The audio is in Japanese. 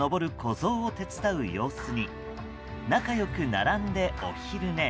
ゾウを手伝う様子に仲良く並んでお昼寝。